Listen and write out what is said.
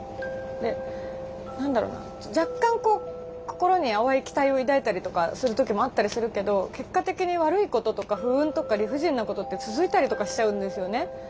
で何だろうな若干こう心に淡い期待を抱いたりとかする時もあったりするけど結果的に悪いこととか不運とか理不尽なことって続いたりとかしちゃうんですよね。